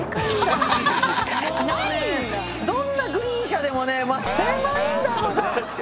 どんなグリーン車でもね